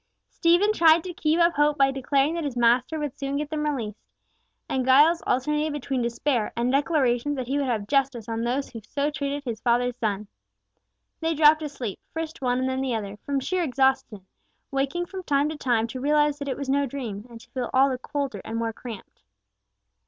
Stephen tried to keep up hope by declaring that his master would soon get them released, and Giles alternated between despair, and declarations that he would have justice on those who so treated his father's son. They dropped asleep—first one and then the other—from sheer exhaustion, waking from time to time to realise that it was no dream, and to feel all the colder and more camped.